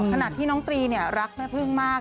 ขณะที่น้องตรีรักเมื่อพรึ่งมาก